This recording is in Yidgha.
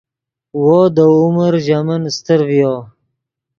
وو دے عمر ژے من استر ڤیو